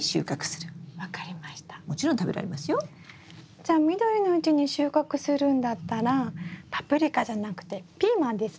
じゃあ緑のうちに収穫するんだったらパプリカじゃなくてピーマンですね？